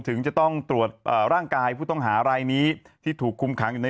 ถึงจะต้องตรวจร่างกายผู้ต้องหารายนี้ที่ถูกคุมขังอยู่ใน